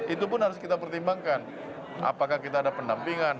itu pun harus kita pertimbangkan apakah kita ada pendampingan